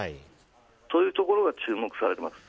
というところが注目されます。